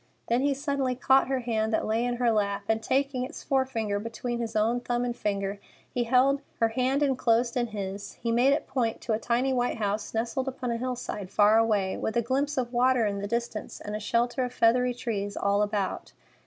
Then he suddenly caught her hand that lay in her lap, and, taking its forefinger between his own thumb and finger, her hand enclosed in his, he made it point to a tiny white house nestled upon a hillside far away, with a glimpse of water in the distance and a shelter of feathery trees all about.